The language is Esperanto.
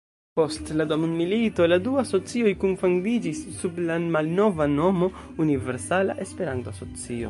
Post la dua mondomilito la du asocioj kunfandiĝis sub la malnova nomo Universala Esperanto-Asocio.